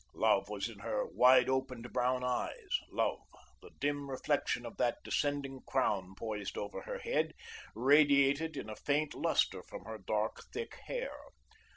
Love was in her wide opened brown eyes, Love the dim reflection of that descending crown poised over her head radiated in a faint lustre from her dark, thick hair.